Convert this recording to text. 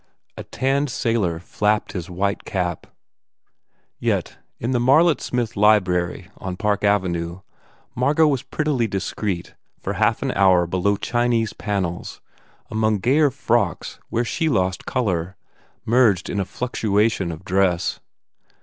A tanned sailor flapped his white cap. Yet in the Marlett Smith library on Park Avenue Margot was prettily discreet for half an hour below Chinese panels, among gayer frocks where she lost colour, merged in a fluctua tion of dress.